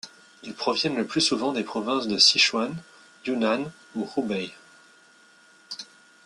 Ils proviennent le plus souvent des provinces de Sichuan, Yunnan ou Hubei.